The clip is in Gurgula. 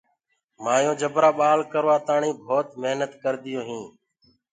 مآيونٚ جبرآ ٻآݪ ڪروآ تآڻيٚ ڀوت محنت ڪرديو هينٚ۔